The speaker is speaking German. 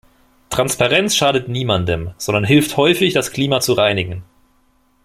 Transparenz schadet niemandem, sondern hilft häufig, das Klima zu reinigen.